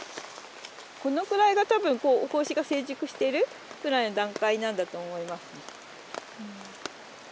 このくらいがたぶん胞子が成熟してるくらいの段階なんだと思いますね。